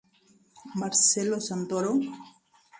Marcelo Santoro?...